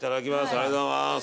ありがとうございます